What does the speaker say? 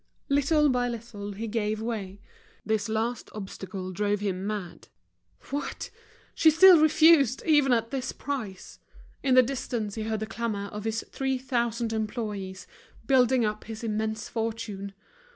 Little by little he gave way, this last obstacle drove him mad. What! She still refused even at this price! In the distance he heard the clamor of his three thousand employees building up his immense fortune.